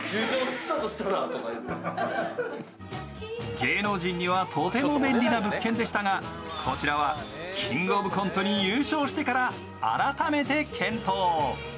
芸能人にはとても便利な物件でしたがこちらは「キングオブコント」で優勝してから改めて検討。